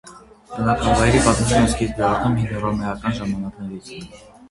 Բնակավայրի պատմությունը սկիզբ է առնում հինհռոմեական ժամանակներից։